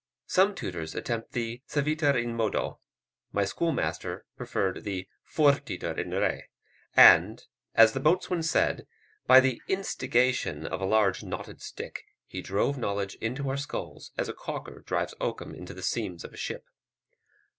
Some tutors attempt the suaviter in modo, my schoolmaster preferred the fortiter in re; and, as the boatswain said, by the "instigation" of a large knotted stick, he drove knowledge into our skulls as a caulker drives oakum into the seams of a ship.